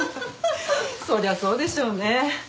そりゃそうでしょうね。